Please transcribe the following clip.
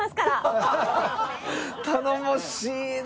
頼もしいな！